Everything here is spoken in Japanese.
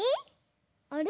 あれ？